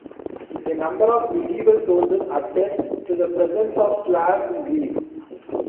A number of medieval sources attest to the presence of Slavs in Greece.